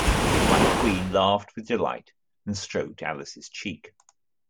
The White Queen laughed with delight, and stroked Alice’s cheek.